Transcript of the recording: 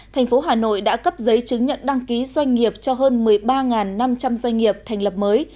thành phố hà nội đã cấp giấy chứng nhận đăng ký doanh nghiệp cho hơn một mươi ba năm trăm linh doanh nghiệp thành lập mới